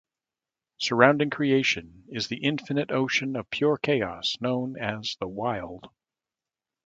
Surrounding Creation is the infinite ocean of Pure Chaos known as the Wyld.